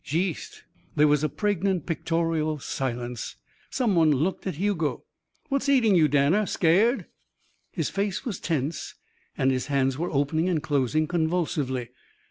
"Jeest!" There was a pregnant, pictorial silence. Someone looked at Hugo. "What's eatin' you, Danner? Scared?" His face was tense and his hands were opening and closing convulsively.